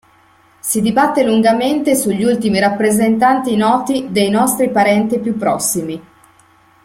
Si dibatte lungamente sugli ultimi rappresentanti noti dei nostri parenti più prossimi.